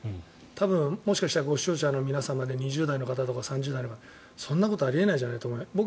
多分、もしかしたら視聴者の皆様で２０代の方、３０代の方そんなことあり得ないじゃないかなと思うじゃない。